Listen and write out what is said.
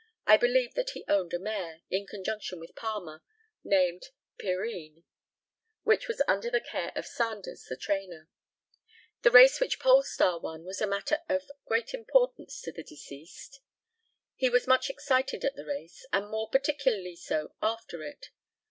I believe that he owned a mare, in conjunction with Palmer, named Pyrrhine, which was under the care of Sandars, the trainer. The race which Polestar won was a matter of very great importance to the deceased. He was much excited at the race, and more particularly so after it.